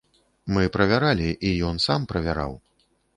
Мы правяралі, і ён сам правяраў.